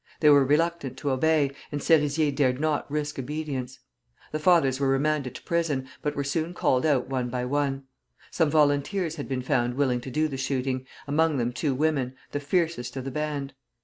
They were reluctant to obey, and Serizier dared not risk disobedience. The fathers were remanded to prison, but were soon called out one by one. Some volunteers had been found willing to do the shooting, among them two women, the fiercest of the band.